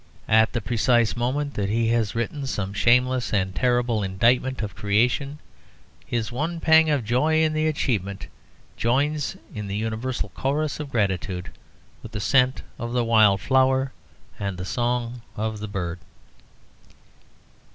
At the precise moment that he has written some shameless and terrible indictment of Creation, his one pang of joy in the achievement joins the universal chorus of gratitude, with the scent of the wild flower and the song of the bird.